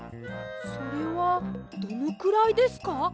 それはどのくらいですか？